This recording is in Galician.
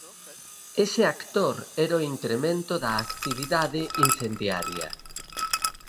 Ese actor era o incremento da actividade incendiaria.